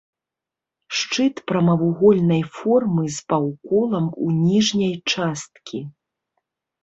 Шчыт прамавугольнай формы, з паўколам у ніжняй часткі.